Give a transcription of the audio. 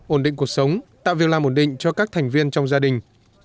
ổn định cuộc sống tạo việc làm ổn định cho các thành viên trong gia đình